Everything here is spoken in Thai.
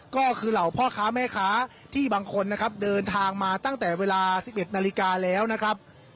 ก็คือเหล่าพ่อค้าแม่ค้าที่บางคนนะครับเดินทางมาตั้งแต่เวลา๑๑นาฬิกาแล้วนะครับ